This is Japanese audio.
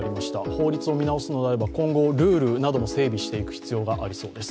法律を見直すのであれば今後、ルールなども整備していく必要がありそうです。